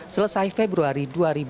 selesai februari dua ribu dua puluh